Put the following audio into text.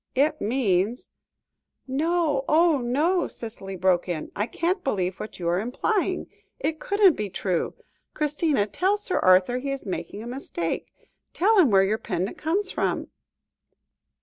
It means " "No, oh, no!" Cicely broke in. "I can't believe what you are implying. It couldn't be true. Christina tell Sir Arthur he is making a mistake. Tell him where your pendant comes from."